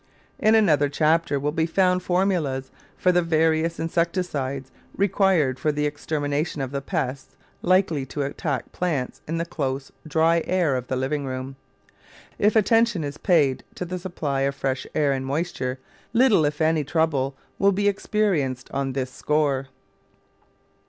In another chapter will be found formulas for the various insecticides required for the extermination of the pests likely to attack plants in the close, dry air of the living room. If attention is paid to the supply of fresh air and moisture little, if any, trouble will be experienced on this score.